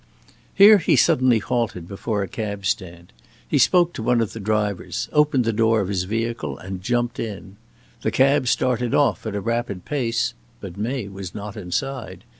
Here he suddenly halted before a cab stand. He spoke to one of the drivers, opened the door of his vehicle, and jumped in. The cab started off at a rapid pace. But May was not inside.